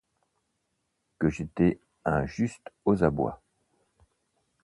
Que j'étais un juste aux abois